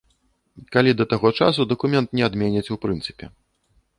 Калі да таго часу дакумент не адменяць ў прынцыпе.